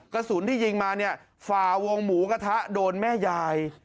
กระสุนที่ยิงมาเนี่ยฝ่าวงหมูกระทะโดนแม่ยาย